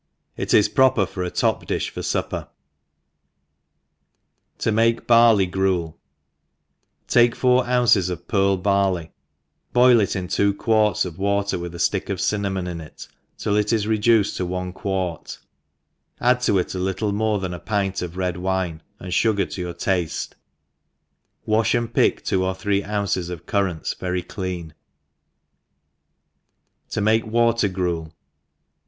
— It is proper for a top difh for fupper,* TV /^j>ff Barley GRUELt TAKE four ounces of pearl barley, boil it in two quarts of water with a flick of cirinamon ii^ it, till it is reduced to one quart, add to it a lit^ tie more than a pint of red wine, and fugar to your tafle, wafh and pick two or three ounces of pqrrants very cleaq. «i$ THE EXPEJllBNCEO • 7*d mate Watek Qkvel.